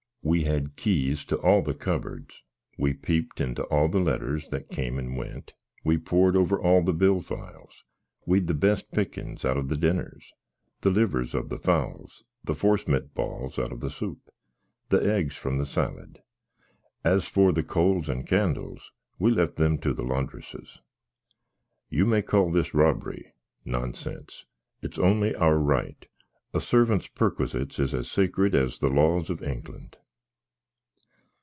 We had keys to all the cubbards we pipped into all the letters that kem and went we pored over all the bill files we'd the best pickens out of the dinners, the liwers of the fowls, the force mit balls out of the soup, the egs from the sallit. As for the coals and candles, we left them to the landrisses. You may call this robry nonsince it's only our right a suvvant's purquizzits is as sacred as the laws of Hengland.